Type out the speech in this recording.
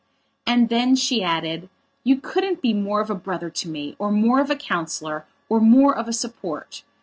And then she added, "You couldn't be more of a brother to me, or more of a counsellor, or more of a support.